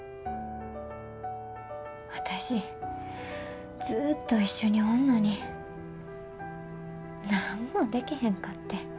私ずっと一緒におんのに何もでけへんかってん。